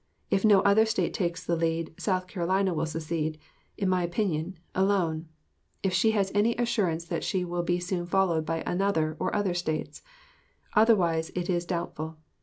If no other State takes the lead, South Carolina will secede (in my opinion) alone, if she has any assurance that she will be soon followed by another or other States; otherwise it is doubtful.